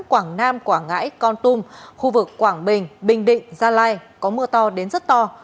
quảng nam quảng ngãi con tum khu vực quảng bình bình định gia lai có mưa to đến rất to